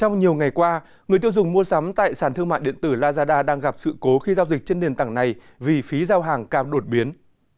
trong nhiều ngày qua người tiêu dùng mua sắm tại sàn thương mại điện tử lazada đang gặp sự cố khi giao dịch trên nền tảng này vì phí giao hàng cao đột biến